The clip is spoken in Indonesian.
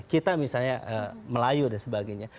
kita misalnya melayu dan sebagainya